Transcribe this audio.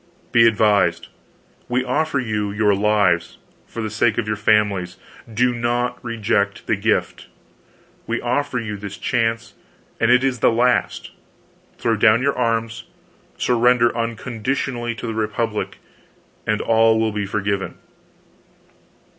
Be advised. We offer you your lives; for the sake of your families, do not reject the gift. We offer you this chance, and it is the last: throw down your arms; surrender unconditionally to the Republic, and all will be forgiven.